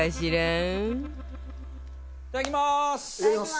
いただきます！